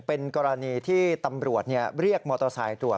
เป็นกรณีที่ตำรวจเรียกมอเตอร์ไซค์ตรวจ